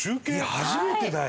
初めてだよ。